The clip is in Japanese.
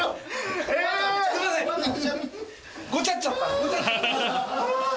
ごちゃっちゃった。